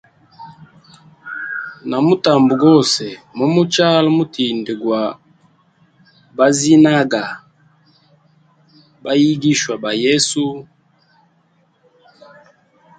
Na mutamba gose mumuchala mutindigwa mazinaga bayigishwa ba yesu.